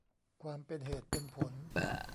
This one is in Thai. ความเป็นเหตุเป็นผล